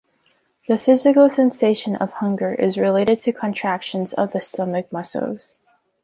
The physical sensation of hunger is related to contractions of the stomach muscles.